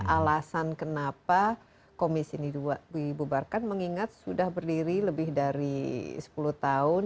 alasan kenapa komisi ini dibubarkan mengingat sudah berdiri lebih dari sepuluh tahun